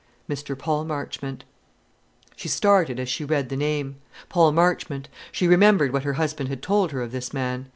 "Mr. Paul Marchmont." She started as she read the name. Paul Marchmont! She remembered what her husband had told her of this man.